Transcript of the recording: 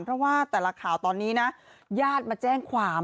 เพราะว่าแต่ละข่าวตอนนี้นะญาติมาแจ้งความ